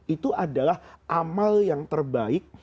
itu adalah amal yang terbaik